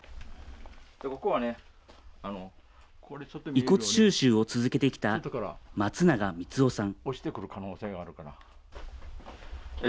遺骨収集を続けてきた松永光雄さん。